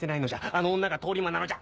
あの女が通り魔なのじゃ！